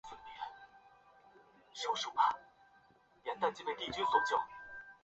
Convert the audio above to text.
利斯基是位于美国加利福尼亚州莫多克县的一个非建制地区。